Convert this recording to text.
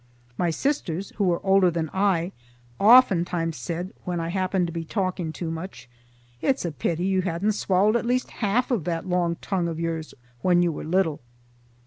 My sisters, who were older than I, oftentimes said when I happened to be talking too much, "It's a pity you hadn't swallowed at least half of that long tongue of yours when you were little."